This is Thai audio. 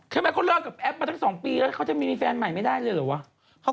แต่เอ๊ะแต่เขาย่าย๑๕กันยายที่ผ่านมาไม่ใช่ไหมนะ